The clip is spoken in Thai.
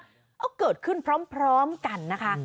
เอาเกิดขึ้นพร้อมกันนะคะ